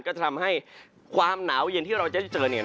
ก็จะทำให้ความหนาวเย็นที่เราจะเจอ